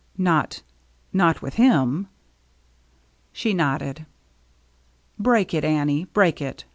" Not — not with him ?" She nodded. " Break it, Annie, break it.